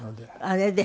あれで！